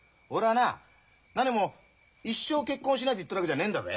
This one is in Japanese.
なにも一生結婚しないって言ってるわけじゃねえんだぜ。